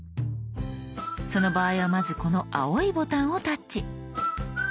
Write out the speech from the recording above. その場合はまずこの青いボタンをタッチ。